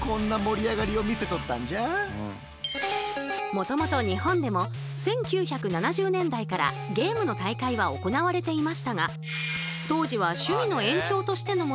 もともと日本でも１９７０年代からゲームの大会は行われていましたが当時は趣味の延長としてのものがほとんど。